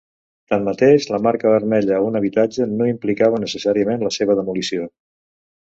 Tanmateix, la marca vermella a un habitatge no implicava necessàriament la seva demolició.